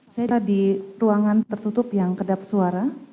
saya ada di ruangan tertutup yang kedap suara